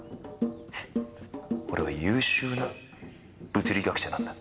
俺は優秀な物理学者なんだ。